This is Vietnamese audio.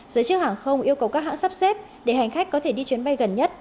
giới chức hàng không yêu cầu các hãng sắp xếp để hành khách có thể đi chuyến bay gần nhất